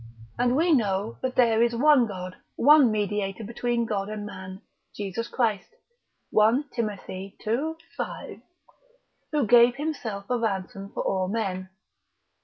and we know that there is one God, one Mediator between God and man, Jesus Christ, (1 Tim. ii. 5) who gave himself a ransom for all men.